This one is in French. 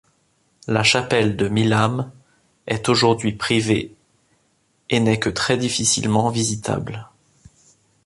La chapelle de Millam est aujourd'hui privée, et n'est que très difficilement visitable.